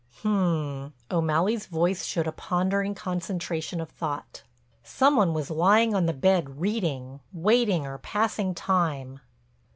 "Um," O'Malley's voice showed a pondering concentration of thought. "Some one was lying on the bed reading; waiting or passing time."